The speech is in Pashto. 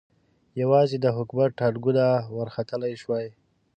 یوازې د حکومت ټانګونه ورختلای شوای.